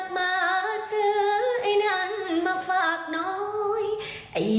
มือวันใดแล้วทิ้งมาร้อยใจ